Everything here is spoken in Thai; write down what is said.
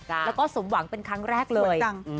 แล้วก็สมหวังเป็นครั้งแรกเลย